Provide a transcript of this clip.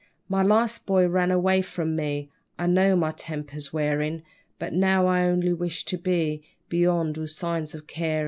My last boy ran away from me, I know my temper's wearin', But now I only wish to be Beyond all signs of carin'.